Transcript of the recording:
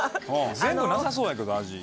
全部なさそうやけど味。